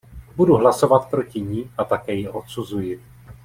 Budu hlasovat proti ní a také ji odsuzuji.